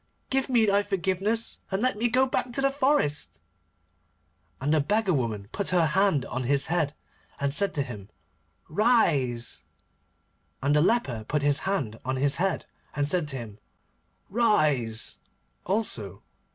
Give me thy forgiveness, and let me go back to the forest.' And the beggar woman put her hand on his head, and said to him, 'Rise,' and the leper put his hand on his head, and said to him, 'Rise,' also.